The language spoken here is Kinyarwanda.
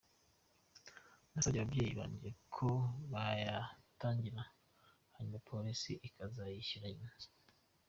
Nasabye ababyeyi banjye ko bayantangira hanyuma polisi ikazayishyura nyuma”.